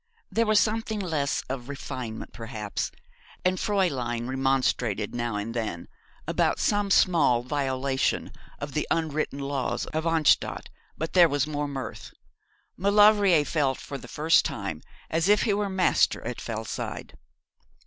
There was something less of refinement, perhaps, and Fräulein remonstrated now and then about some small violation of the unwritten laws of 'Anstand,' but there was more mirth. Maulevrier felt for the first time as if he were master at Fellside.